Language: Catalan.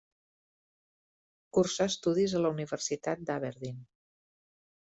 Cursà estudis a la Universitat d'Aberdeen.